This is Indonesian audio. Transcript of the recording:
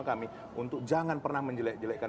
kami untuk jangan pernah menjelek jelekkan